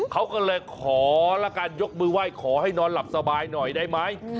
เขาก็เลยขอละกันยกมือไหว้ขอให้นอนหลับสบายหน่อยได้ไหม